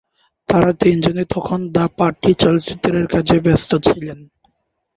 তারা তিনজনই তখন "দ্য পার্টি" চলচ্চিত্রের কাজে ব্যস্ত ছিলেন।